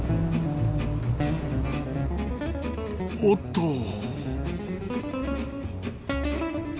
おっと。